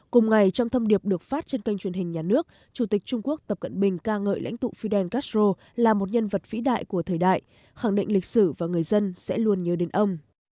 cùng ngày trong thông điệp được phát trên kênh truyền hình nhà nước chủ tịch trung quốc tập cận bình ca ngợi lãnh tụ fidel castro là một nhân vật vĩ đại của thời đại khẳng định lịch sử và người dân sẽ luôn nhớ đến ông